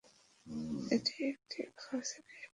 এটি একটি "খ" শ্রেণীর পৌরসভা।